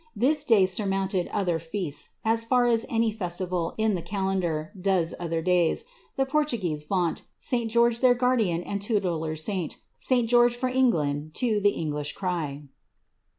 This day surmounted other feasts, as far As any festival i' the calendar Does other days ; the Portugueses vaunt St. George their guardian and tutelar saint. * Sl George for England 1 ' too, the English cry."